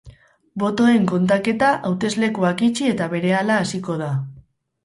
Botoen kontaketa hauteslekuak itxi eta berehala hasiko da.